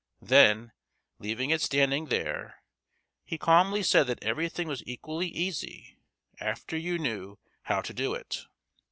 Then, leaving it standing there, he calmly said that everything was equally easy after you knew how to do it.